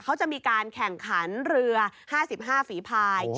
เขาจะมีการแข่งขันเรือห้าสิบห้าฝีภาย